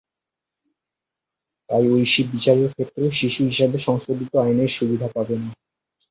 তাই ঐশী বিচারের ক্ষেত্রে শিশু হিসেবে সংশোধিত আইনের সুবিধা পাবে না।